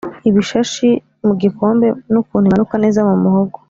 ibishashi mu gikombe nukuntu imanuka neza mu muhogo